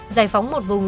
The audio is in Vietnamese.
giải phóng một vùng